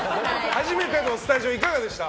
初めてのスタジオいかがでした？